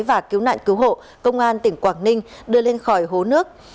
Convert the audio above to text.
và cứu nạn cứu hộ công an tỉnh quảng ninh đưa lên khỏi hố nước